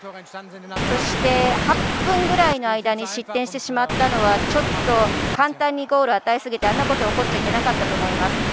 そして８分ぐらいの間に失点してしまったのはちょっと簡単にゴールを与えすぎてあんなことが起こってはいけなかったと思います。